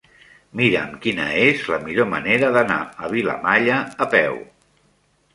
Mira'm quina és la millor manera d'anar a Vilamalla a peu.